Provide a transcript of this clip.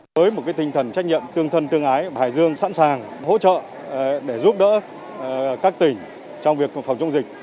với một tinh thần trách nhiệm tương thân tương ái hải dương sẵn sàng hỗ trợ để giúp đỡ các tỉnh trong việc phòng chống dịch